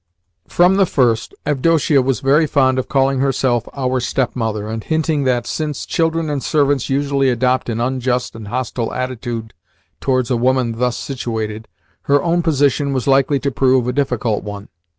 From the first Avdotia was very fond of calling herself our stepmother and hinting that, since children and servants usually adopt an unjust and hostile attitude towards a woman thus situated, her own position was likely to prove a difficult one.